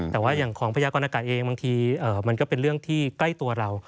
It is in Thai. แต่ว่าอย่างของพยากรณากาศเองบางทีมันก็เป็นเรื่องที่ใกล้ตัวเรา